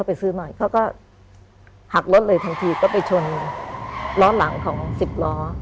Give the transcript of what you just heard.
แล้วก็หักลดเลยทั้งทีก็ไปชนล้อหลังของ๑๐ล้อ